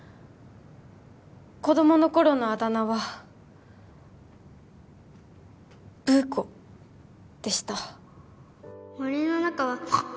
子供の頃のあだ名はぶーこでした森の中はフガッ